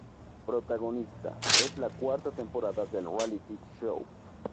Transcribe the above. Protagonistas es la cuarta temporada del reality show.